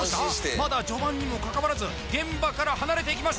まだ序盤にもかかわらず現場から離れていきます